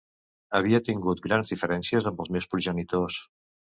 Havia tingut grans diferències amb els meus progenitors.